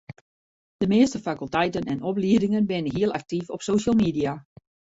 De measte fakulteiten en opliedingen binne hiel aktyf op social media.